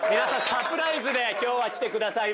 サプライズで今日は来てくださいました。